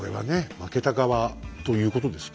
負けた側ということですからね。